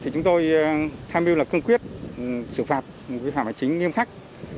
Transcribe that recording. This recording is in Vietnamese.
chúng tôi tham mưu là cương quyết xử phạt vi phạm hành chính nghiêm khắc